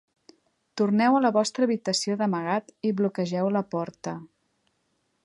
Torneu a la vostra habitació d'amagat i bloquegeu la porta.